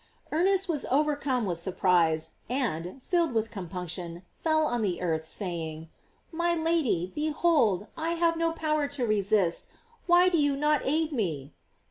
Ernest was over whelmed with surprise, and, filled with com punction, fell on the earth, saying: "My Lady, behold, I have no power to resist, why do you not aid me?"